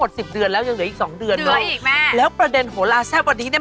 เดือนแล้วแล้วประเด็นโหลาแซ่บวันนี้เนี่ย